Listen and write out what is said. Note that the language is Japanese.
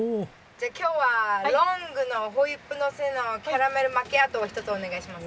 じゃあ今日はロングのホイップのせのキャラメルマキアートを１つお願いします。